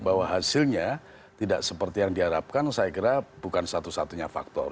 bahwa hasilnya tidak seperti yang diharapkan saya kira bukan satu satunya faktor